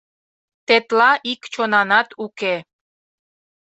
Тетла ик чонанат уке.